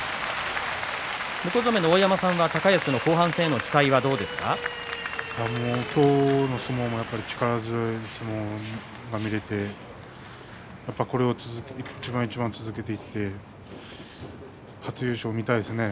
向正面の大山さんは高安の後半戦への期待は今日の相撲は力強い相撲が見られてこれを一番一番続けていってね初優勝を見たいですね